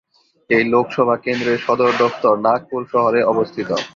এই লোকসভা কেন্দ্রের সদর দফতর নাগপুর শহরে অবস্থিত।